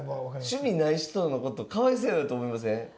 趣味ない人のことかわいそうやなと思いません？